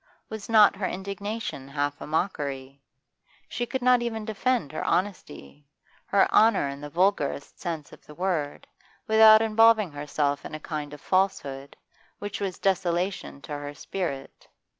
Was not her indignation half a mockery? She could not even defend her honesty, her honour in the vulgarest sense of the word, without involving herself in a kind of falsehood, which was desolation to her spirit.